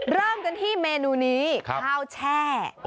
เริ่มกันที่เมนูนี้ข้าวแช่